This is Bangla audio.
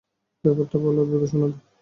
ব্যাপারটা বললে অদ্ভুত শোনাবে।